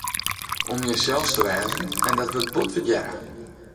Om jinssels te wêzen, en dat wurdt bot wurdearre.